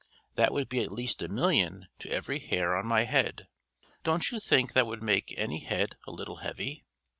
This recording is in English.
That would be at least a million to every hair on my head: don't you think that would make any head a little heavy?